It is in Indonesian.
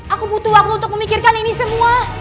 aku butuh waktu untuk memikirkan ini semua